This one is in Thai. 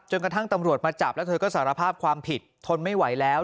กระทั่งตำรวจมาจับแล้วเธอก็สารภาพความผิดทนไม่ไหวแล้ว